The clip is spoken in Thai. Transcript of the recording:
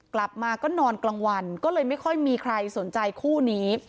กลับมาก็นอนกลางวันก็เลยไม่ค่อยมีใครสนใจคู่นี้